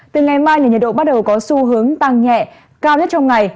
từ ngày mai nhiệt độ bắt đầu có xu hướng tăng nhẹ cao nhất trong ngày